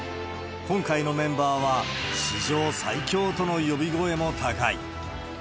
今回のメンバーは、史上最強との呼び声も高い。